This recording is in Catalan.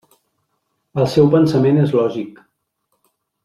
El seu pensament és lògic.